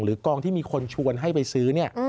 หรือกลองที่มีคนชวนให้ไปซื้อ